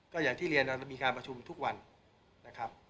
ก็อย่างที่เรียนเรามีการประชุมทุกวันนะครับ